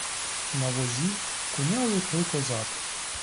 На возі куняли три козаки.